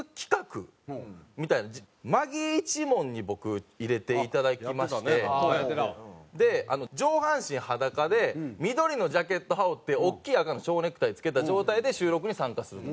マギー一門に僕入れていただきましてで上半身裸で緑のジャケット羽織って大きい赤の蝶ネクタイ着けた状態で収録に参加すると。